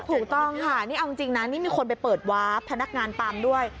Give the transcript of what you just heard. ถูกต้องค่ะนี่เอาจริงนะนี่มีคนไปเปิดวาร์ฟพนักงานปั๊มด้วย